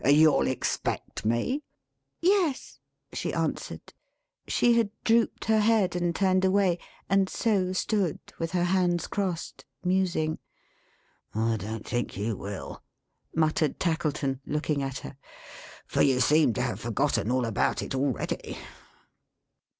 You'll expect me?" "Yes," she answered. She had drooped her head, and turned away; and so stood, with her hands crossed, musing. "I don't think you will," muttered Tackleton, looking at her; "for you seem to have forgotten all about it, already.